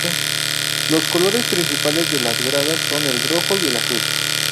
Los colores principales de las gradas son el rojo y el azul.